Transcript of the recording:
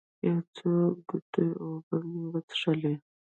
یو څو ګوټه اوبه مې وڅښلې.